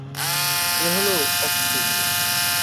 এ হলো অক্টি।